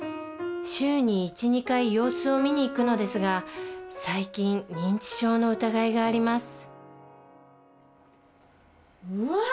週に１２回様子を見に行くのですが最近認知症の疑いがありますうわっ！